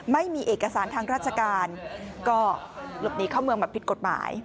ไม่มีเอกสารทางราชการก็หลบหนีเข้าเมืองแบบผิดกฎหมาย